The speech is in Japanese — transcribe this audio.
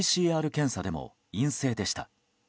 ＰＣＲ検査でも陰性でした。